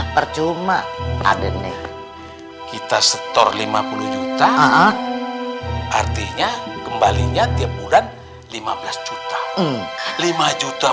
percuma adennya kita setor lima puluh juta artinya kembalinya tiap bulan lima belas juta lima juta